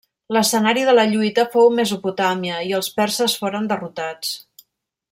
L'escenari de la lluita fou Mesopotàmia i els perses foren derrotats.